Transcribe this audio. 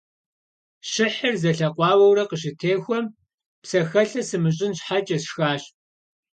Щыхьыр зэлъэкъуауэурэ къыщытехуэм, псэхэлӀэ сымыщӀын щхьэкӀэ сшхащ.